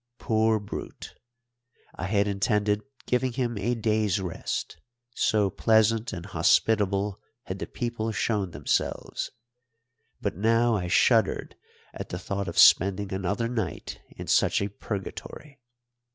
Poor brute! I had intended giving him a day's rest, so pleasant and hospitable had the people shown themselves; but now I shuddered at the thought of spending another night in such a purgatory.